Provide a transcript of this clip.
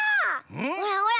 ほらほら